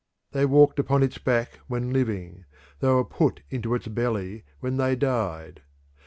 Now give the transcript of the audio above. They walked upon its back when living; they were put into its belly when they died.